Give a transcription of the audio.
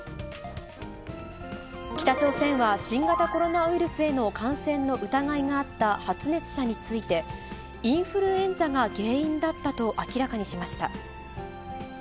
北朝鮮は、新型コロナウイルスへの感染の疑いがあった発熱者について、インフルエンザが原因だったと明らかにしました。